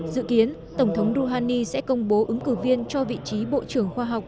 dự kiến tổng thống rouhani sẽ công bố ứng cử viên cho vị trí bộ trưởng khoa học